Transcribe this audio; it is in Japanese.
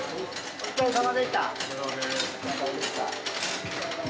お疲れさまです。